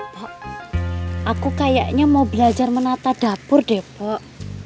pok aku kayaknya mau belajar menata dapur deh pok